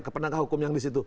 ke penegak hukum yang disitu